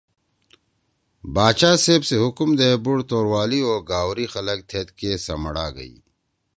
باچا صیب سی حُکم دے بُوڑ توروالی او گاؤری خلگ تھیدکے سمَڑا گئی۔